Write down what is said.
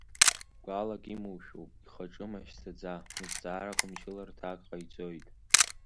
Гәалак имоушәоуп ихаҿы машьцаӡа, узҵаарақәа мчыла рҭак ҟаиҵоит.